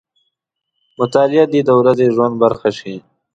مطالعه دې د ورځني ژوند برخه شي.